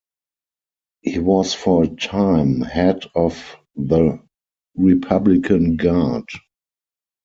He was for a time head of the Republican Guard.